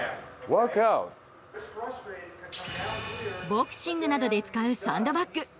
ボクシングなどで使うサンドバッグ。